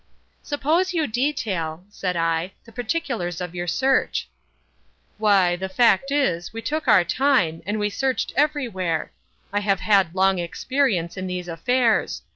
"Suppose you detail," said I, "the particulars of your search." "Why the fact is, we took our time, and we searched everywhere. I have had long experience in these affairs.